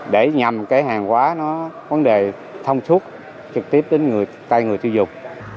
để nhằm cái hàng hóa nó vấn đề thông suốt trực tiếp đến tay người tiêu dùng